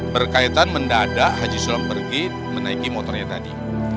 berkaitan mendadak haji sulam pergi menaiki motornya tadi